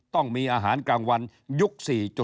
ต้องมีอาหารกลางวันยุค๔๐